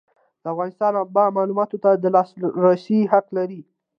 د افغانستان اتباع معلوماتو ته د لاسرسي حق لري.